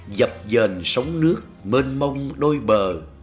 dập dền sống nước mênh mông đôi bờ